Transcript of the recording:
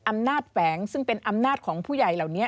แฝงซึ่งเป็นอำนาจของผู้ใหญ่เหล่านี้